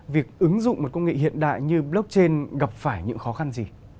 việc ứng dụng một công nghệ hiện đại như blockchain gặp phải những khó khăn gì